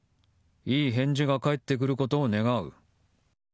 いい返事が返ってくることを願う。